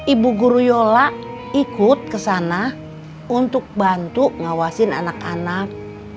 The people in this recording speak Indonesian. ibu guru yola ikut ke sana untuk bantu ngawasin anak anak